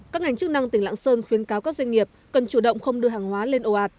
các ngành chức năng tỉnh lạng sơn khuyên cáo các doanh nghiệp cần chủ động không đưa hàng hóa lên ồ ạt